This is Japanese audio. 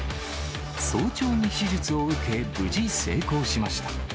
早朝に手術を受け、無事成功しました。